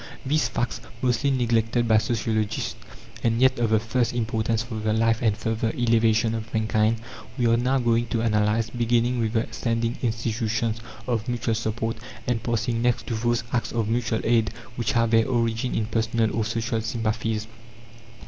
These facts, mostly neglected by sociologists and yet of the first importance for the life and further elevation of mankind, we are now going to analyze, beginning with the standing institutions of mutual support, and passing next to those acts of mutual aid which have their origin in personal or social sympathies.